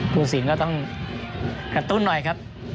ผู้สินก็ต้องกระตุ้นหน่อยครับ